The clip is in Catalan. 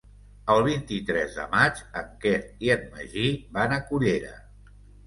El vint-i-tres de maig en Quer i en Magí van a Cullera.